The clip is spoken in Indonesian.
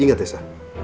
ingat ya sa